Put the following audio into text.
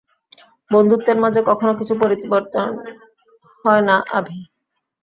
বন্ধুত্বের মাঝে কখনও কিছু পরিবর্তন হয় না, আভি।